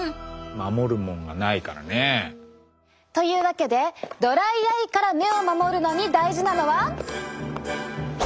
守るもんがないからね。というわけでドライアイから目を守るのに大事なのは。